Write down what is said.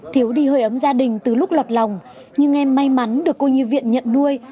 thiếu đi hơi ấm gia đình từ lúc lọt lòng nhưng em may mắn được cô nhi viện nhận nuôi